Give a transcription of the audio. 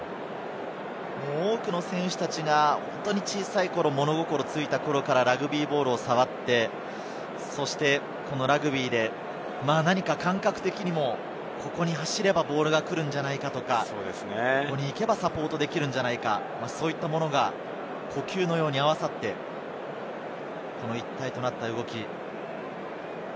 多くの選手たちが小さい頃、物心ついた頃からラグビーボールを触って、そしてラグビーで感覚的にも、ここに走ればボールが来るんじゃないかとか、ここに行けばサポートできるんじゃないか、そういったものが呼吸のように合わさって、一体となった動き。